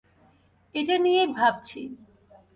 এটা নিয়েই ভাবছি।